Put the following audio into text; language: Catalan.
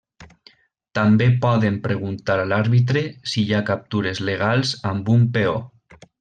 També poden preguntar a l'àrbitre si hi ha captures legals amb un peó.